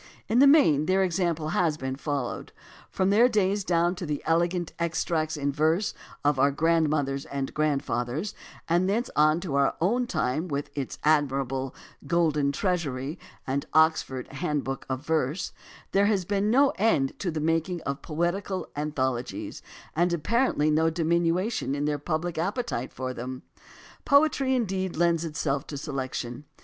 In the main their example has been fol lowed. From their days down to the Elegant Extracts in Verse of our grandmothers and grandfathers, and thence on to our own time with its admirable Golden Treasury and Oxford Handbook of Verse, there has been no end to the making of poetical anthologies and ap 228 AS TO ANTHOLOGIES parently no diminution in the public appetite for them. Poetry indeed lends itself to selection.